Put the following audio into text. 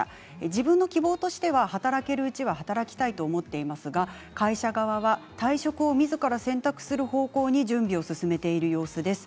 自分の希望としては働けるうちは働きたいと思っていますが会社側は退職をみずから選択する方向に準備を進めている様子です。